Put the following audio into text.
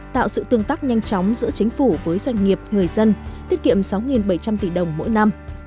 tạo sự tương tác nhanh chóng giữa chính phủ với doanh nghiệp người dân tiết kiệm sáu bảy trăm linh tỷ đồng mỗi năm